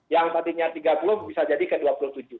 yang tadinya tiga puluh bisa jadi ke dua puluh tujuh